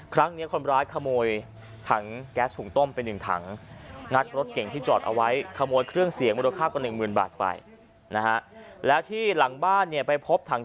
ครั้งนี้คนร้ายขโมยถังแก๊สหุ่งต้มเป็น๑ถังงัดรถเร่งที่จอดเอาไว้